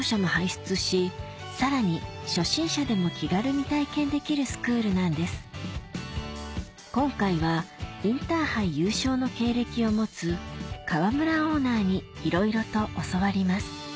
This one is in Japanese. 一行が訪れたのは今回はインターハイ優勝の経歴を持つ川村オーナーにいろいろと教わります